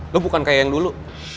lo bukan kayak yang dulu